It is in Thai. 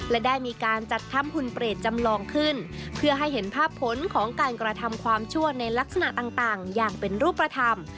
และได้มีการจัดทำหุ่นเปรตจำลองขึ้นเพื่อให้เห็นภาพผลของการกระทำความชั่วในลักษณะต่างอย่างเป็นรูปธรรม